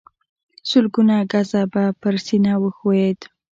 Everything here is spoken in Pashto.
سلګونه ګزه به پر سينه وښويېد.